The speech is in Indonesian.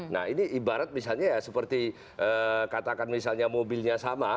nah ini ibarat misalnya ya seperti katakan misalnya mobilnya sama